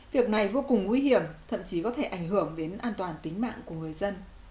việc này vô cùng nguy hiểm thậm chí có thể ảnh hưởng đến an toàn tính mạng của người dân